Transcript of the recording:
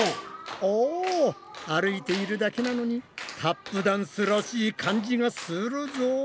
お歩いているだけなのにタップダンスらしい感じがするぞ。